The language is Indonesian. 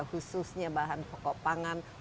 khususnya bahan pokok pangan